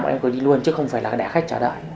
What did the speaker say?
bọn em cứ đi luôn chứ không phải là để khách chờ đợi